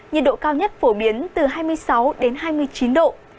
nhiệt độ cao nhất phổ biến từ hai mươi sáu đến hai mươi chín độ